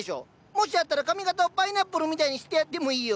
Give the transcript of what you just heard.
もしあったら髪形をパイナップルみたいにしてやってもいいよ！